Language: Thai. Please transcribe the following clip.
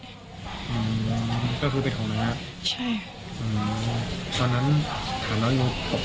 อืมก็คือติดของนั้นครับ